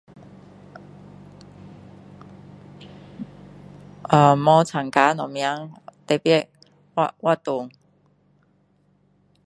啊没参加什么特别活活动